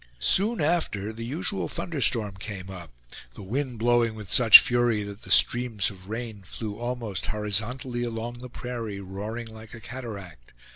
Soon after the usual thunderstorm came up, the wind blowing with such fury that the streams of rain flew almost horizontally along the prairie, roaring like a cataract.